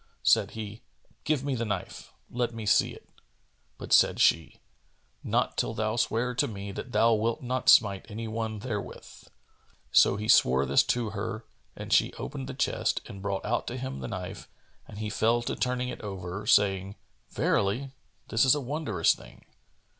Said he, "Give me the knife. Let me see it." But said she, "Not till thou swear to me that thou wilt not smite any one therewith." So he swore this to her and she opened the chest and brought out to him the knife and he fell to turning it over, saying, "Verily, this is a wondrous thing!"